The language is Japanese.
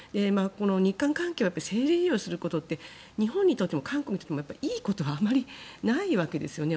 日韓関係を政治利用することって日本にとっても韓国にとってもいいことってあまりないわけですよね。